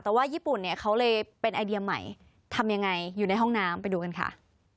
แต่ว่าญี่ปุ่นเนี่ยเขาเลยเป็นไอเดียใหม่ทำยังไงอยู่ในห้องน้ำไปดูกันค่ะ